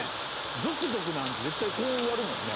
ゾクゾクなんて絶対こうやるもんね。